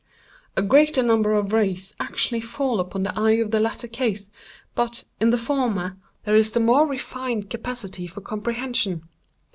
A greater number of rays actually fall upon the eye in the latter case, but, in the former, there is the more refined capacity for comprehension.